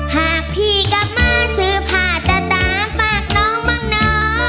หากพี่กลับมาซื้อผ้าตาฝากน้องบ้างเนาะ